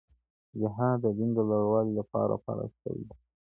جهاد د دین د لوړوالي دپاره فرض سوی دی.